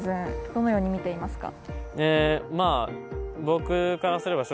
どのように見ていますか。